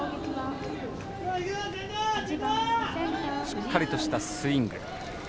しっかりとしたスイング。